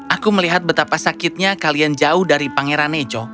aku melihat betapa sakitnya kalian jauh dari pangeran nejo